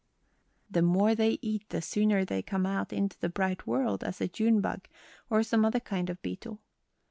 The more they eat the sooner they come out into the bright world as a June bug or some other kind of beetle.